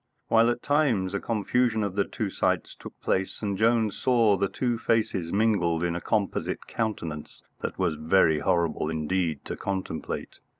While at times a confusion of the two sights took place, and Jones saw the two faces mingled in a composite countenance that was very horrible indeed to contemplate.